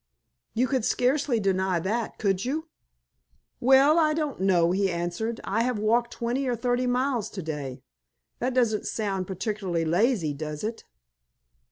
You could scarcely deny that, could you?" "Well, I don't know," he answered. "I have walked twenty or thirty miles to day. That doesn't sound particularly lazy, does it?"